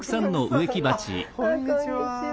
こんにちは。